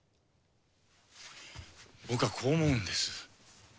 僕はこう思うんです。